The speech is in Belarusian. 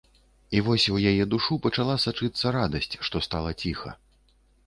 І вось у яе душу пачала сачыцца радасць, што стала ціха.